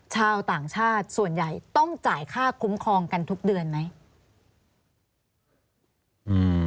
ชาวต่างชาติส่วนใหญ่ต้องจ่ายค่าคุ้มครองกันทุกเดือนไหม